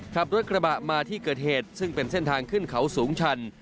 ขับรถกระบะมาที่เกิดเหตุซึ่งเป็นเส้นทางขึ้นเขาสูงชัน